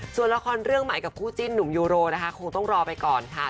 ส่วนละครเรื่องใหม่กับคู่จิ้นหนุ่มยูโรนะคะคงต้องรอไปก่อนค่ะ